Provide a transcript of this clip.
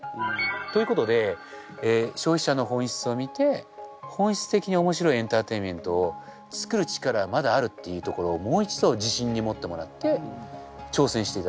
ということで消費者の本質を見て本質的に面白いエンターテインメントを作る力はまだあるっていうところをもう一度自信に持ってもらって挑戦していただく。